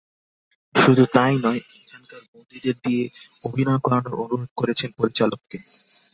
শুধু তা-ই নয়, এখানকার বন্দীদের দিয়ে অভিনয়ও করানোর অনুরোধ করেছেন পরিচালককে।